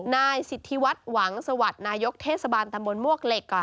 นายสิทธิวัฒน์หวังสวัสดิ์นายกเทศบาลตำบลมวกเหล็ก